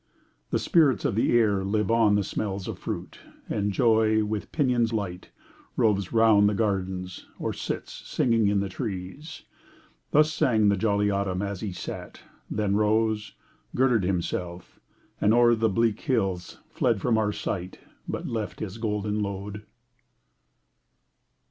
" The spirits of the air live on the smells " Of fruit; and joy, with pinions light, roves round " The gardens, or sits singing in the trees." Thus sang the jolly Autumn as he sat ; Then rose, girded himself, and o'er the bleak Hills fled from our sight ; but left his golden load.